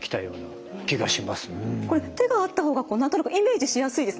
これ手があった方が何となくイメージしやすいですね